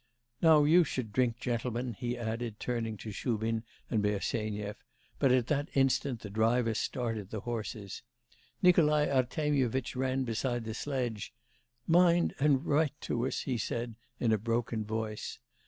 'Now you should drink, gentlemen,' he added, turning to Shubin and Bersenyev, but at that instant the driver started the horses. Nikolai Artemyevitch ran beside the sledge. 'Mind and write to us,' he said in a broken voice.